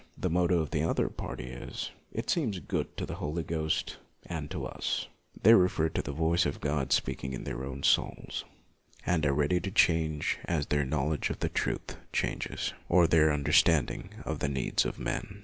The motto of the other party is "It seems good to the Holy Ghost and to us"; they refer to the voice of God speaking in their own souls, and are ready to change as their knowledge of the truth changes, or their understand ing of the needs of men.